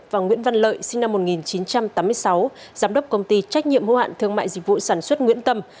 và nguyễn văn lợi sinh năm một nghìn chín trăm tám mươi sáu giám đốc công ty trách nhiệm hữu hạn thương mại dịch vụ sản xuất nguyễn tâm